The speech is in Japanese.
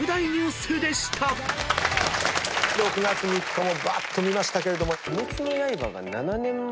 ６月３日をばーっと見ましたけれども。